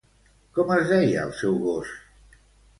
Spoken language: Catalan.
Com es deia el seu gos?